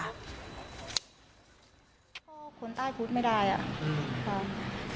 พ่อคนใต้พุทธไม่ได้อ่ะค่ะ